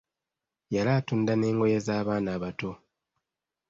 Yali atunda n'engoye z'abaana abato.